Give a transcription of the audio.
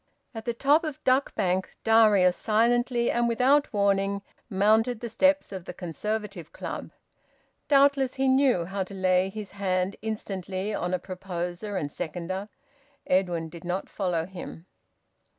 At the top of Duck Bank, Darius silently and without warning mounted the steps of the Conservative Club. Doubtless he knew how to lay his hand instantly on a proposer and seconder. Edwin did not follow him.